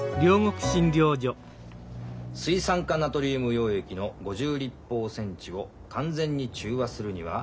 水酸化ナトリウム溶液の５０立方センチを完全に中和するには？